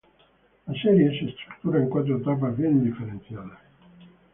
La serie se estructura en cuatro etapas bien diferenciadas.